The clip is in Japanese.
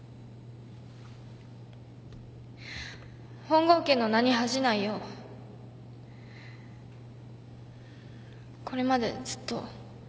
本郷家の名に恥じないようこれまでずっと。